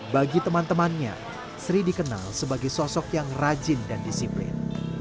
bagi teman temannya sri dikenal sebagai sosok yang rajin dan disiplin